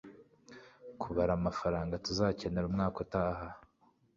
kubara amafaranga tuzakenera umwaka utaha